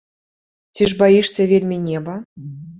Ці ж баішся вельмі неба?